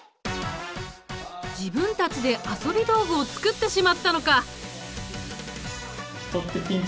自分たちで遊び道具を作ってしまったのか！